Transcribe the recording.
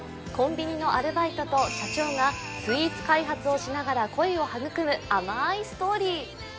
コンビニのアルバイトと社長がスイーツ開発をしながら恋を育む甘いストーリー